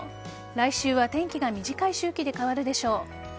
来週は天気が短い周期で変わるでしょう。